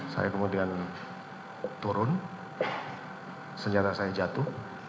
saya kemudian turun senjata saya jatuh